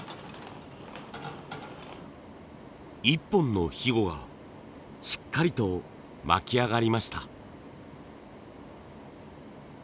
１本のひごがしっかりと巻き上がりました。